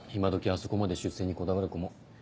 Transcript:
あそこまで出世にこだわる子も。